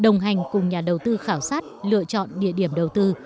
đồng hành cùng nhà đầu tư khảo sát lựa chọn địa điểm đầu tư